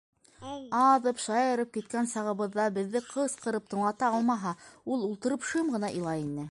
Аҙып, шаярып киткән сағыбыҙҙа беҙҙе ҡысҡырып тыңлата алмаһа, ул, ултырып, шым ғына илай ине.